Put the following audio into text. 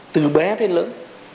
từ bé đến lớn